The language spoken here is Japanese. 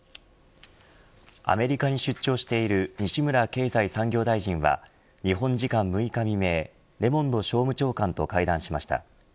アメリカに出張している西村経済産業大臣は日本時間６日未明レモンド商務長官と会談しました。